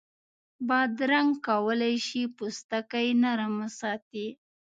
بادرنګ کولای شي پوستکی نرم وساتي.